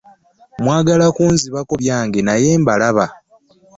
Mwagala kunzibako byange byonna mbalaba.